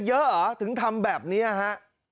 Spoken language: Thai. เยอะอ่ะถึงทำแบบนี้อ่ะฮะ